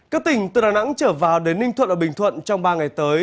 các tỉnh từ đà nẵng trở vào đến ninh thuận ở bình thuận trong ba ngày tới